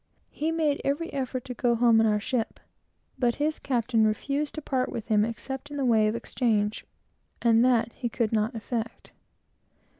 He made every effort to go home in our ship, but his captain refused to part with him except in the way of exchange, and that he could not effect.